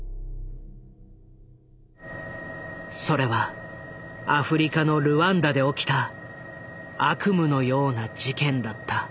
それはアフリカのルワンダで起きた悪夢のような事件だった。